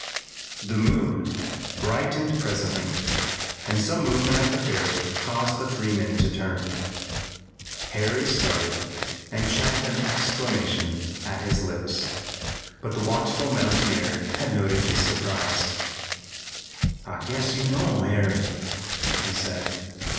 The moon brightened presently, and some movement at the ferry caused the three men to turn. Harry started and checked an exclamation at his lips. But the watchful mountaineer had noted his surprise. "I guess you know 'em, Harry," he said.